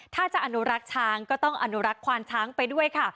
ถ้าจะอนุรักษ์ช้างก็ต้องอนุรักษ์ควานช้างไปด้วยค่ะ